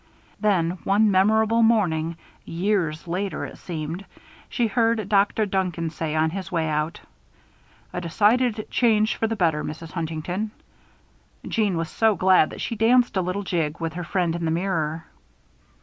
Then, one memorable morning years later, it seemed she heard Dr. Duncan say, on his way out: "A decided change for the better, Mrs. Huntington." Jeanne was so glad that she danced a little jig with her friend in the mirror.